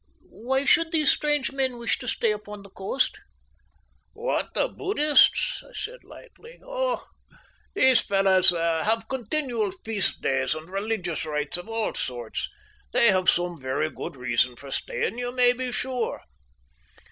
Why should these strange men wish to stay upon the coast?" "What, the Buddhists?" I said lightly. "Oh, these fellows have continual feast days and religious rites of all sorts. They have some very good reason for staying, you may be sure."